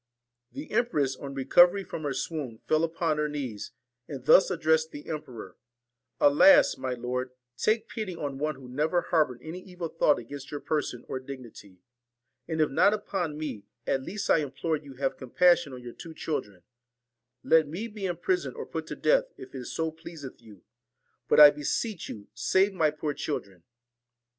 34 The empress on recovery from her swoon, fell VALEN upon her knees, and thus addressed the emperor : 'Alasl my lord, take pity on one who never harboured an evil thought against your person or dignity ; and if not upon me, at least I implore you have compassion on your two children 1 Let me be imprisoned or put to death, if it so pleaseth you ; but, I beseech you, save my poor children